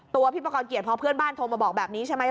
ตัวพี่ปกรเกียรติเพราะเพื่อนบ้านโทรมาบอกแบบนี้ใช่ไหม